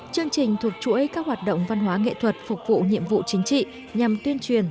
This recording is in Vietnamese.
chương trình thuộc chuỗi các hoạt động văn hóa nghệ thuật phục vụ nhiệm vụ chính trị nhằm tuyên truyền